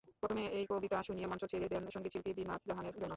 প্রথমে একটি কবিতা শুনিয়ে মঞ্চ ছেড়ে দেন সংগীতশিল্পী দিনাত জাহানের জন্য।